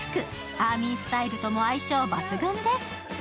アーミースタイルとも相性抜群です。